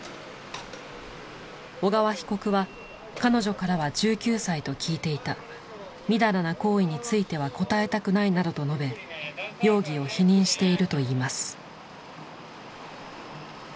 小川被告は「彼女からは１９歳と聞いていた」「みだらな行為については答えたくない」などと述べ容疑を否認しているといいます。